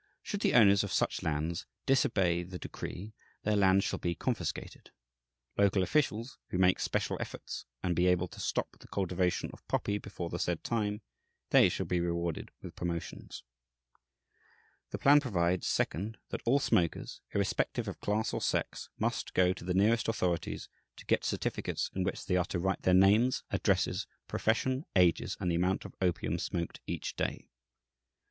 Should the owners of such lands disobey the decree, their lands shall be confiscated. Local officials who make special efforts and be able to stop the cultivation of poppy before the said time, they shall be rewarded with promotions." The plan provides (second) that "all smokers, irrespective of class or sex, must go to the nearest authorities to get certificates, in which they are to write their names, addresses, profession, ages, and the amount of opium smoked each day."